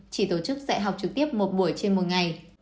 chỉ tổ chức dạy học trực tiếp một buổi trên một ngày